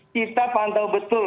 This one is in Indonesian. kita pantau betul